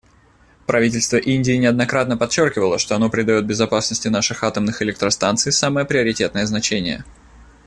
Правительство Индии неоднократно подчеркивало, что оно придает безопасности наших атомных электростанций самое приоритетное значение.